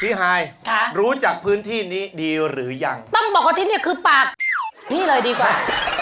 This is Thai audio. ฮายค่ะรู้จักพื้นที่นี้ดีหรือยังต้องบอกว่าที่นี่คือปากพี่เลยดีกว่า